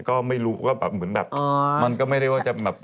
ก็ไม่รู้ว่าแบบเหมือนแบบมันก็ไม่ได้ว่าจะแบบ